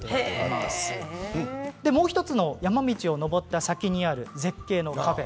もう１つの山道を登った先にある絶景のカフェ。